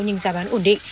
nhưng giá bán ổn định